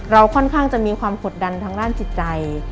ค่อนข้างจะมีความกดดันทางด้านจิตใจ